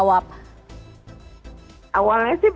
sebenarnya siapa yang harus bertanggung jawab